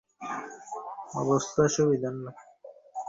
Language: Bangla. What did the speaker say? অবস্থা সুবিধার না।